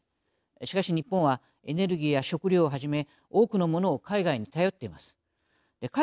しかし日本はエネルギーや食糧をはじめ多くのものを海外に頼っています。